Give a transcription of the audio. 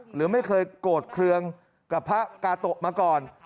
หรือไม่เคยโกรธเครื่องกับพระกาโตะมาก่อน